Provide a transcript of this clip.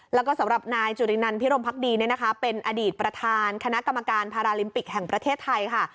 แล้วก็สำหรับนายจุรินันพิรมพักดีเป็นอดีตประธานคณะกรรมการพาราลิมปิกแห่งประเทศไทยค่ะ